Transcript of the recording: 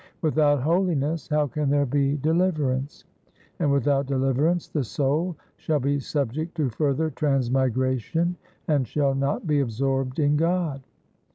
Without holiness how can there be 3 i4 THE SIKH RELIGION deliverance ? And without deliverance the soul shall be subject to further transmigration and shall not be absorbed in God.